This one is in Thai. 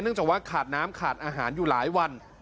จากว่าขาดน้ำขาดอาหารอยู่หลายวัน